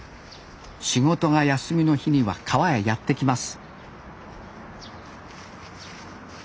仕事が休みの日には川へやって来ます